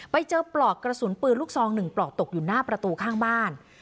ปลอกกระสุนปืนลูกซอง๑ปลอกตกอยู่หน้าประตูข้างบ้าน